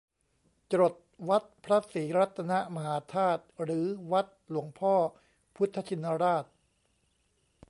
จรดวัดพระศรีรัตนมหาธาตุหรือวัดหลวงพ่อพุทธชินราช